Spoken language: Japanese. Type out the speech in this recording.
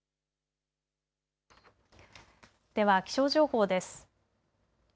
では気象情報です。